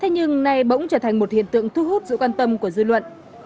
nhưng nay bỗng trở thành một hiện tượng thu hút sự quan tâm của dư luận